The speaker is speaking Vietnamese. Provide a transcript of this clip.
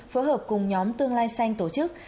phỡ hợp cùng nhóm tương lai xanh tổ chức